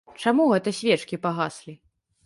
Чаму гэта свечкі пагаслі?